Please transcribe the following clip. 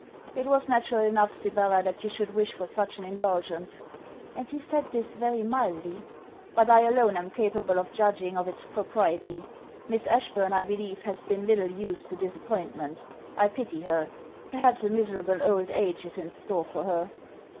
'It was natural enough, Sibella, that you should wish for such an indulgence;' and he said this very mildly: 'but I alone am capable of judging of its propriety. Miss Ashburn, I believe, has been little used to disappointment. I pity her. Perhaps a miserable old age is in store for her.'